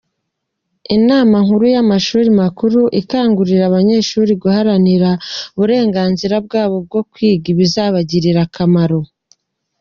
Inama Nkuru y’Amashuri Makuru ikangurira abanyeshuri guharanira uburenganzira bwabo bwo kwiga ibizabagirira akamaro.